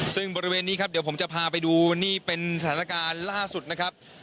ซึ่งบริเวณนี้ครับเดี๋ยวผมจะพาไปดูวันนี้เป็นสถานการณ์ล่าสุดนะครับ